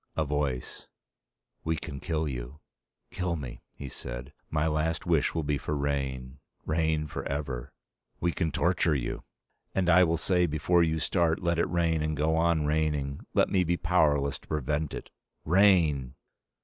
A voice: "We can kill you." "Kill me," he said. "My last wish will be for rain. Rain, forever." "We can torture you." "And I will say, before you start, let it rain and go on raining. Let me be powerless to prevent it. Rain!"